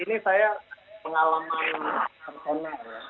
ini saya pengalaman personal ya